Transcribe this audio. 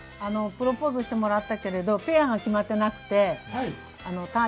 プロポーズしてもらったけど、ペアが決まってなくてたあ